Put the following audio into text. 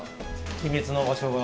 秘密の場所が。